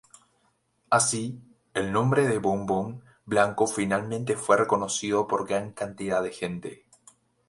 Así, el nombre de Bon-Bon Blanco finalmente fue reconocido por gran cantidad de gente.